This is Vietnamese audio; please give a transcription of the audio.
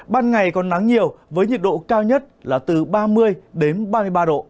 ban ngày còn nắng nhiều với nhiệt độ cao nhất là từ ba mươi đến ba mươi ba độ